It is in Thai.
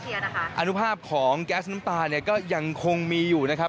ยังไม่เคลียร์นะคะอนุภาพของแก๊สน้ำตาเนี้ยก็ยังคงมีอยู่นะครับ